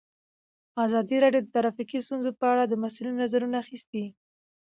ازادي راډیو د ټرافیکي ستونزې په اړه د مسؤلینو نظرونه اخیستي.